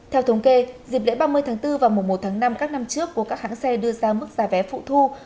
theo thống kê dịp lễ ba mươi tháng bốn và mùa một tháng năm các năm trước của các hãng xe đưa ra mức giá vé phụ thu